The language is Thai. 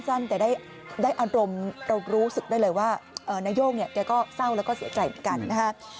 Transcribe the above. สั้นแต่ได้อารมณ์เรารู้สึกได้เลยว่านายกเนี่ยแกก็เศร้าแล้วก็เสียใจเหมือนกันนะฮะ